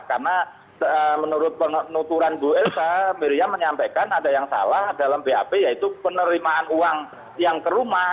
karena menurut penuturan bu elsa miriam menyampaikan ada yang salah dalam bap yaitu penerimaan uang yang ke rumah